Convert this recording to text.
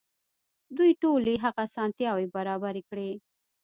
دوی ټولې هغه اسانتياوې برابرې کړې.